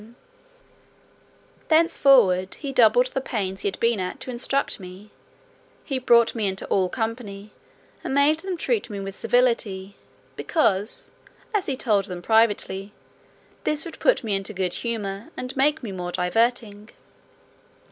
From thenceforward he doubled the pains he had been at to instruct me: he brought me into all company, and made them treat me with civility; "because," as he told them, privately, "this would put me into good humour, and make me more diverting."